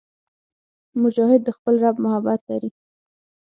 مجاهد د خپل رب محبت لري.